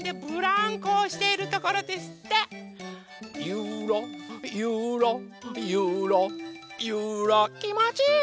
「ゆらゆらゆらゆら」きもちいい。